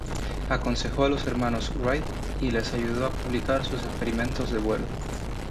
Aconsejó a los hermanos Wright y les ayudó a publicar sus experimentos de vuelo.